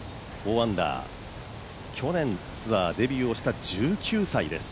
４アンダー、去年ツアーデビューをした１９歳です。